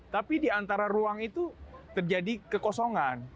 tapi di antara ruang itu terjadi kekosongan